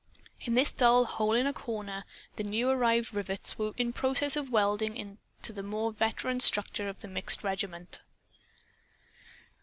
In this dull hole in a corner the new arrived rivets were in process of welding into the more veteran structure of the mixed regiment.